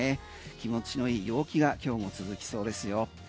気持ちの良い陽気が今日も続きそうですよ。